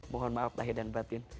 mohon maaf lahir dan batin